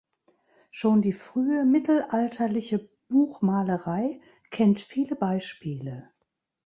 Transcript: Schon die frühe mittelalterliche Buchmalerei kennt viele Beispiele.